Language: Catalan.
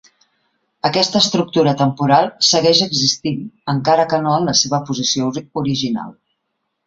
Aquesta estructura temporal segueix existint encara que no en la seva posició original.